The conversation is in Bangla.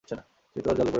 সে তো আর জলে পড়ে নাই।